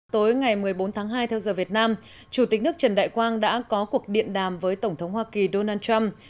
tối ngày một mươi bốn tháng hai theo giờ việt nam chủ tịch nước trần đại quang đã có cuộc điện đàm với tổng thống hoa kỳ donald trump